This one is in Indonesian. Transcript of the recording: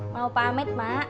mau pamit mak